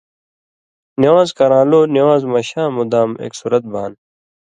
نِوان٘ز کران٘لو نِوان٘ز مہ شان٘مُدام ایک سُورت بان،